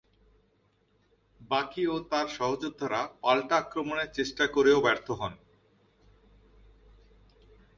বাকী ও তার সহযোদ্ধারা পাল্টা আক্রমণের চেষ্টা করেও ব্যর্থ হন।